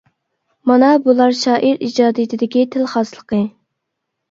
مانا بۇلار شائىر ئىجادىيىتىدىكى تىل خاسلىقى.